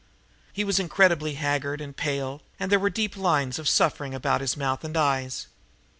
He was incredibly haggard and pale, and there were deep lines of suffering about his mouth and eyes.